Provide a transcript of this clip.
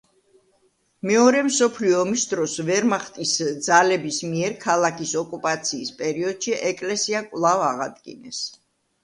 მეორე მსოფლიო ომის დროს ვერმახტის ძალების მიერ ქალაქის ოკუპაციის პერიოდში ეკლესია კვლავ აღადგინეს.